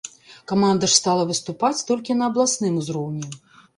Каманда ж стала выступаць толькі на абласным узроўні.